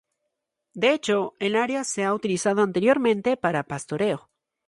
De hecho, el área se ha utilizado anteriormente para pastoreo.